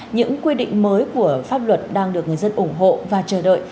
những quy định mới của pháp luật đang được người dân ủng hộ và chờ đợi